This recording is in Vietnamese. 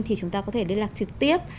thì chúng ta có thể liên lạc trực tiếp